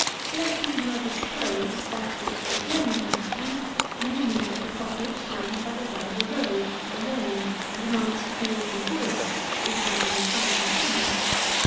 Let me, however, suppose that which will generally happen; namely, that the cottage stands by the side of a road, or lane, and amongst fields and woods, if not on the side of a common.